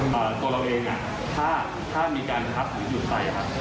แต่ตัวเราเองถ้ามีการครับหรือหยุดไป